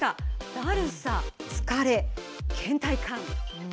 「だるさ・疲れ・倦怠感」。